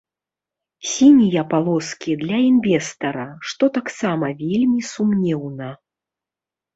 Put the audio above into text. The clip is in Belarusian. Сінія палоскі для інвестара, што таксама вельмі сумнеўна.